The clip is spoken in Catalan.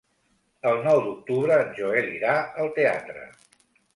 El nou d'octubre en Joel irà al teatre.